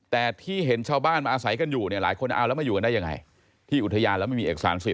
แต่ที่เห็นชาวบ้านมาอาศัยกันอยู่หลายคนเอาแล้วมาอยู่กันได้ยังไง